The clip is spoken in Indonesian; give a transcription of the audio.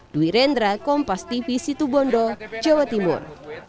dwi rendra kompas tv situbondo jawa timur